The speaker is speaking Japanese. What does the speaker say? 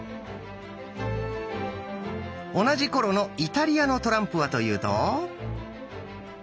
同じ頃のイタリアのトランプはというと。